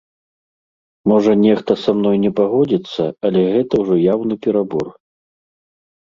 Можа, нехта са мной не пагодзіцца, але гэта ўжо яўны перабор.